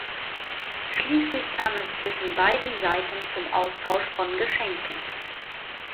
Schließlich kam es zwischen beiden Seiten zum Austausch von Geschenken.